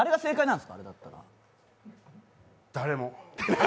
誰も。